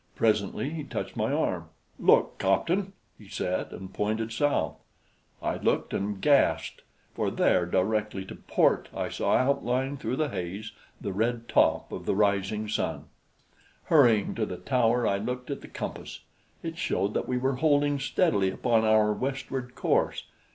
Presently he touched my arm. "Look, captain," he said, and pointed south. I looked and gasped, for there directly to port I saw outlined through the haze the red top of the rising sun. Hurrying to the tower, I looked at the compass. It showed that we were holding steadily upon our westward course.